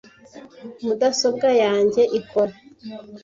Mudasobwa yanjye ikora .